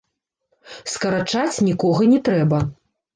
Скарачаць нікога не трэба.